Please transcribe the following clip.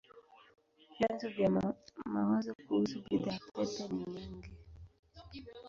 Vyanzo vya mawazo kuhusu bidhaa pepe ni nyingi.